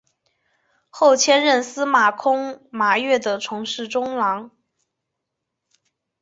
后迁任司空司马越的从事中郎。